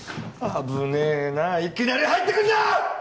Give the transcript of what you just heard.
危ねえないきなり入ってくんな！